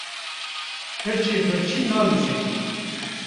Hirçê birçî nalîze.